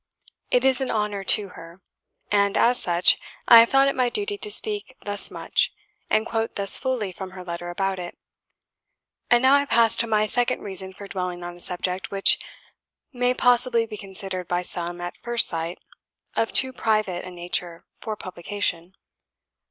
It is an honour to her; and, as such, I have thought it my duty to speak thus much, and quote thus fully from her letter about it. And now I pass to my second reason for dwelling on a subject which may possibly be considered by some, at first sight, of too private a nature for publication.